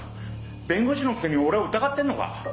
弁護士のくせに俺を疑ってんのか？